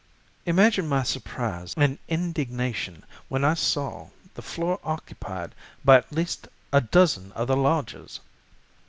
Imagine my surprise and indignation when I saw the floor occupied by at least a dozen other lodgers!